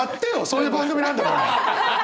そういう番組なんだから。